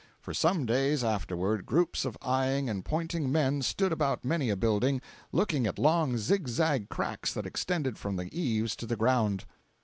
For some days afterward, groups of eyeing and pointing men stood about many a building, looking at long zig zag cracks that extended from the eaves to the ground.